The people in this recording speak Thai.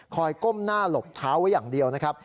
ก้มหน้าหลบเท้าไว้อย่างเดียวนะครับ